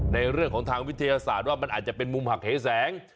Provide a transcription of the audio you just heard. ในเรื่องของทางวิทยาศาสตร์ว่ามันอาจจะเป็นมุมหักเหแสง